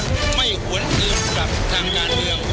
จะไม่หวนอื่นกับทางงานเดียว